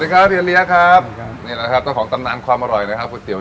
ใครมีคนสูตรขึ้นมาเนี่ย